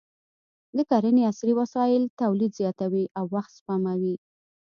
د کرنې عصري وسایل تولید زیاتوي او وخت سپموي.